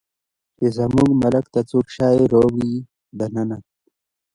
چې زموږ ملک ته څوک شی راوړي دننه